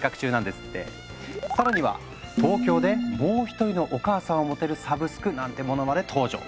更には東京でもう一人のお母さんを持てるサブスクなんてものまで登場。